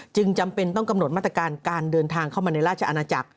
จำเป็นต้องกำหนดมาตรการการเดินทางเข้ามาในราชอาณาจักร